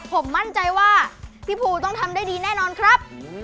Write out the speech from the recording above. ผมมั่นใจว่าพี่ภูต้องทำได้ดีแน่นอนครับ